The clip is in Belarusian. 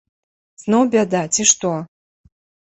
Зноў бяда, ці што?